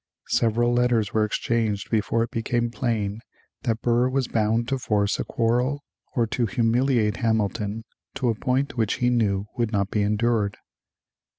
Several letters were exchanged before it became plain that Burr was bound to force a quarrel or to humiliate Hamilton to a point which he knew would not be endured.